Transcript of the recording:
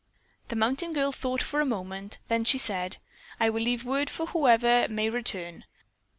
The mountain girl thought for a moment, then she said: "I will leave word for whoever may return."